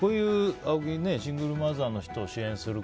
青木、シングルマザーの人を支援する